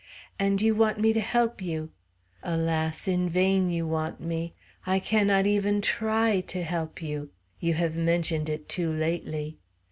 And you want me to help you. Alas! in vain you want me! I cannot even try y y to help you; you have mentioned it too lately!